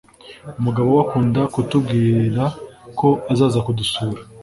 umugabo we akunda kutubwira ko azaza kudusura